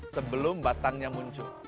sebelum batangnya muncul